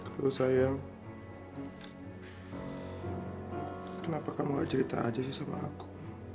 kenapa kamu gak cerita aja sih sama aku